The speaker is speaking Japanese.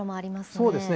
そうですね。